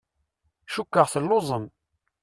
Cukkeɣ telluẓem.